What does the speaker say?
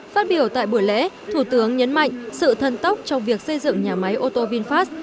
phát biểu tại buổi lễ thủ tướng nhấn mạnh sự thân tốc trong việc xây dựng nhà máy ô tô vinfast